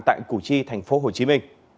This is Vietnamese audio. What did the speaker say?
tại củ chi tp hcm